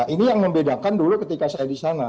ini yang membedakan dulu ketika saya di sana